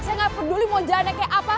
saya gak peduli mau jalan naik kayak apa